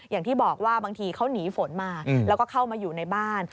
อย่างที่บอกว่าบางทีเขาหนีฝนมาแล้วก็เข้ามาอยู่ในบ้าน